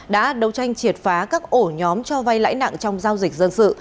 đã đấu tranh triệt phá các ổ nhóm cho vay lãi nặng trong giao dịch dân sự